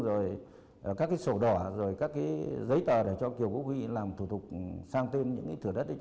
rồi các sổ đỏ rồi các giấy tòa để cho kiều quốc huy làm thủ tục sang tên những thửa đất